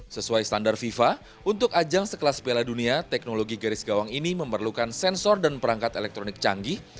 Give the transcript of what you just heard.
sesuai standar fifa untuk ajang sekelas piala dunia teknologi garis gawang ini memerlukan sensor dan perangkat elektronik canggih